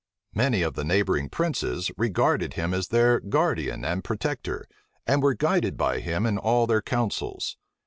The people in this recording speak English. Many of the neighboring princes regarded him as their guardian and protector, and were guided by him in all their counsels.